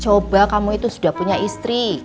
coba kamu itu sudah punya istri